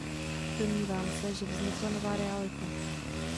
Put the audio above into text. Domnívám se, že vzniká nová realita.